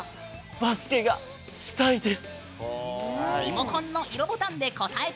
「バスケがしたいです」。